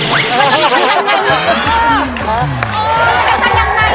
มันจะทำอย่างไรเนี่ย